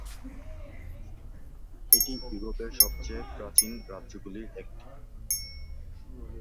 এটি ইউরোপের সবচেয়ে প্রাচীন রাজ্যগুলির একটি।